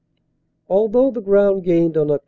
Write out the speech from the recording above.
"Although the ground gained on Oct.